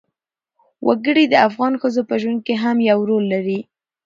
وګړي د افغان ښځو په ژوند کې هم یو رول لري.